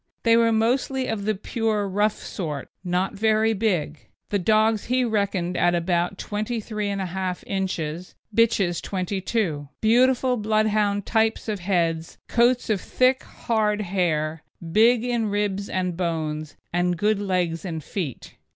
They were mostly of the pure rough sort, not very big; the dogs he reckoned at about 23 1/2 inches, bitches 22: beautiful Bloodhound type of heads, coats of thick, hard hair, big in ribs and bones, and good legs and feet.